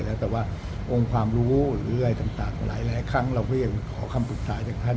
แต่ว่าองค์ความรู้เรื่อยสำหรับหลายครั้งเรายังขอคำปรึกษาจังครักษ์